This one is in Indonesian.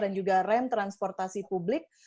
dan juga rem transportasi publik